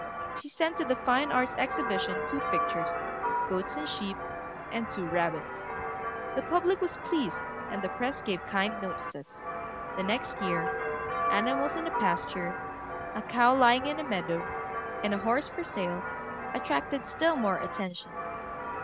She sent to the Fine Arts Exhibition two pictures, "Goats and Sheep" and "Two Rabbits." The public was pleased, and the press gave kind notices. The next year "Animals in a Pasture," a "Cow lying in a Meadow," and a "Horse for sale," attracted still more attention.